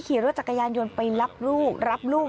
ขี่รถจักรยานยนต์ไปรับลูก